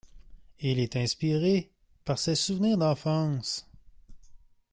Il est inspiré par ses souvenirs d'enfance.